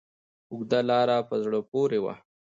اوږده لاره په زړه پورې وه.